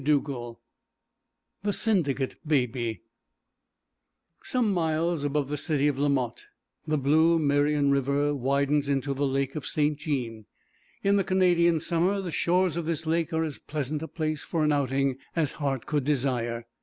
VII THE SYNDICATE BABY Some miles above the city of La Motte, the blue Merrian river widens into the Lake of St. Jean. In the Canadian summer the shores of this lake are as pleasant a place for an outing as heart could desire.